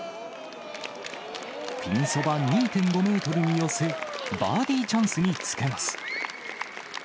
ピンそば２．５メートルに寄せ、バーディーチャンスにつけます。